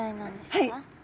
はい。